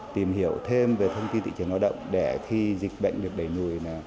tìm hiểu thêm về thông tin thị trường lao động để khi dịch bệnh được đẩy lùi